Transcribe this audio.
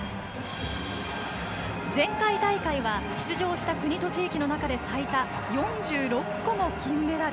前回大会は出場した国と地域の中で最多の４６個の金メダル。